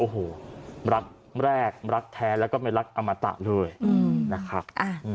โอ้โหรักแรกรักแท้แล้วก็ไม่รักอมตะเลยนะครับ